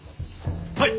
はい！